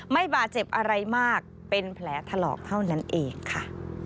ไม่บาดเจ็บอะไรมากเป็นแผลถลอกเท่านั้นเองค่ะ